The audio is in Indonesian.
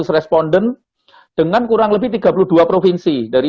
empat belas tiga ratus responden dengan kurang lebih tiga puluh dua provinsi